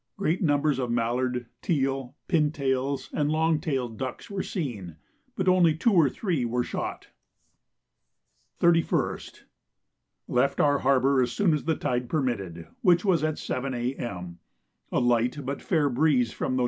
Great numbers of mallard, teal, pintails, and long tailed ducks were seen, but only two or three were shot. 31st. Left our harbour as soon as the tide permitted, which was at 7 A.M. A light but fair breeze from N.